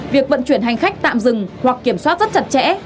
việc vận chuyển hành khách tạm dừng hoặc kiểm soát rất chặt chẽ